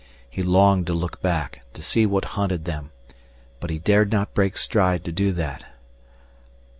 He longed to look back, to see what hunted them. But he dared not break stride to do that.